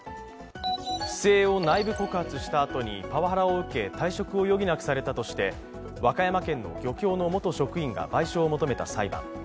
不正を内部告発したあとにパワハラを受け、退職を余儀なくされたとして和歌山県の漁協の元職員が賠償を求めた裁判。